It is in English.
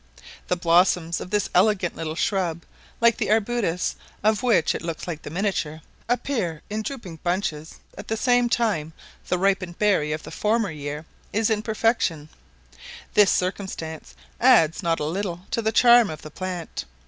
The blossoms of this elegant little shrub, like the arbutus, of which it looks like the miniature, appear in drooping bunches at the same time the ripened berry of the former year is in perfection; this circumstance adds not a little to the charm of the plant.